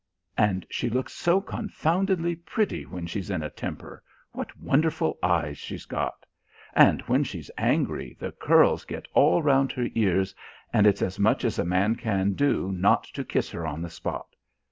And she looks so confoundedly pretty when she's in a temper what wonderful eyes she's got! And when she's angry the curls get all round her ears, and it's as much as a man can do not to kiss her on the spot.